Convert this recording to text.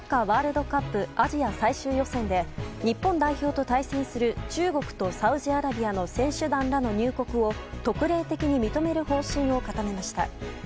ワールドカップアジア最終予選で日本代表と対戦する中国とサウジアラビアの選手団らの入国を特例的に認める方針を固めました。